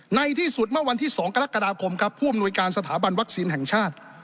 ในที่สุดเมื่อวันที่๒กรกฎาคมครับผู้อำนวยการสถาบันวัคซีนแห่งชาติ